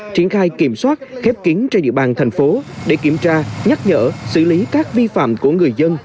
triển khai kiểm soát khép kín trên địa bàn thành phố để kiểm tra nhắc nhở xử lý các vi phạm của người dân